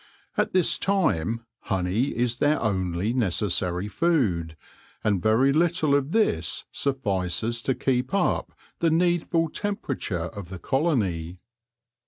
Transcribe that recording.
At this time honey is their only necessary food, and very little of this suffices to keep up the needful temperature of the colony.